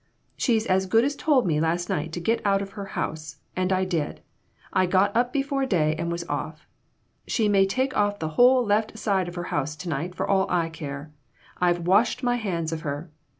i " She as good as told me last night to get out of her house, and I did ; I got up before day and was off. She may take off the whole left side of her house to night for all I care. I've washed my hands of her.